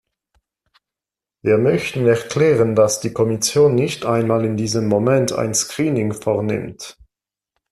Wir möchten erklären, dass die Kommission nicht einmal in diesem Moment ein screening vornimmt.